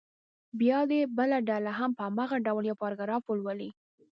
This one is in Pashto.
بیا دې بله ډله هم په هماغه ډول یو پاراګراف ولولي.